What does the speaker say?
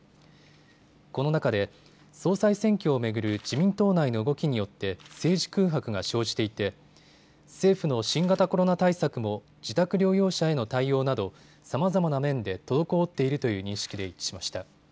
この中で総裁選挙を巡る自民党内の動きによって政治空白が生じていて政府の新型コロナ対策も自宅療養者への対応などさまざまな面で滞っているという認識で一致しました。